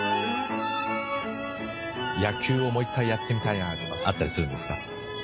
野球をもう１回やってみたいなとかあったりするんですか？